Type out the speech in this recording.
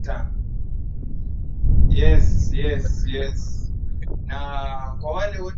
Hega na jamii yake na kwa pamoja wakatamalaki kwenye milima ya Uluguru na kiongozi